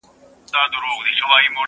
o اره، اره ، لور پر غاړه٫